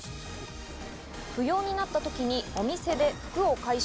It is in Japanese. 不要になった時にお店で服を回収。